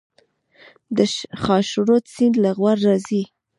د خاشرود سیند له غور راځي